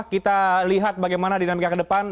kita lihat bagaimana dinamika ke depan